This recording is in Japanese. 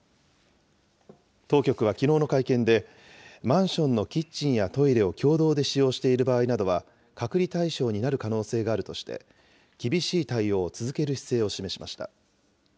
当局はきのうの会見で、マンションのキッチンやトイレを共同で使用している場合などは隔離対象になる可能性があるとして、厳しい対応を続ける姿勢を示しました。